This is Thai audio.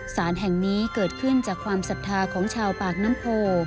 สารแห่งนี้เกิดขึ้นจากความศรัทธาของชาวปากน้ำโพ